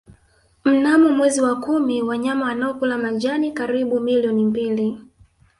Mnamo mwezi wa kumi wanyama wanaokula majani karibu milioni mbili